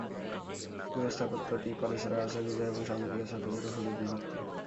পুরো স্থাপত্যটি পলেস্তারায় আচ্ছাদিত এবং সামনের দিকে ছোট ছোট খোপে বিভক্ত।